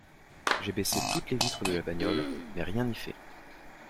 J’ai baissé toutes les vitres de la bagnole, mais rien n’y fait.